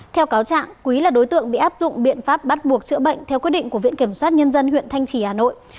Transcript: theo cáo trạng quý là đối tượng bị áp dụng biện pháp bắt buộc chữa bệnh theo quyết định của viện kiểm soát nhân dân huyện thanh trì hà nội